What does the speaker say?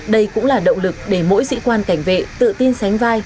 đây cũng là động lực để mỗi sĩ quan cảnh vệ tự tin sánh vai